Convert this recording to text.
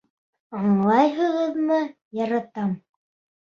Аңлайһығыҙмы, яратам!